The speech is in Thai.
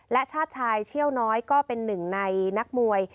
และชาติชายเชี่ยวน้อยก็เป็นหนึ่งในนักมวย